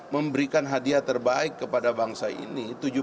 memberikan hadiah terbaik kepada bangsa ini